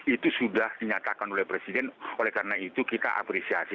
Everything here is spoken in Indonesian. itu sudah dinyatakan oleh presiden oleh karena itu kita apresiasi